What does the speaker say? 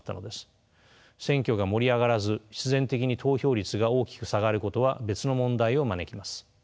選挙が盛り上がらず必然的に投票率が大きく下がることは別の問題を招きます。